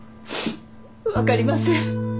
わかりません。